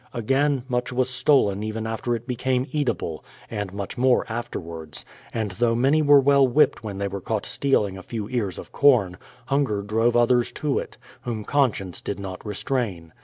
Again, much was stolen even before it became eatable, and much more afterwards — and though many were well whipped when they were caught stealing a few ears of corn, hunger drove others to it, whom conscience did not restrain.